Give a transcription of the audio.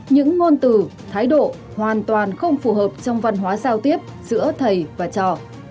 những ngôn từ thái độ hoàn toàn không phù hợp trong văn hóa giao tiếp giữa thầy và trò